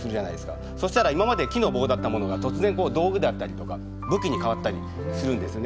そしたら今まで木の棒だったものが突然道具だったりとか武器に変わったりするんですね。